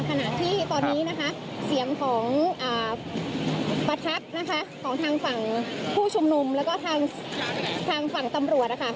ขณะที่ตอนนี้นะคะเสียงของประทัดนะคะของทางฝั่งผู้ชุมนุมแล้วก็ทางฝั่งตำรวจนะคะ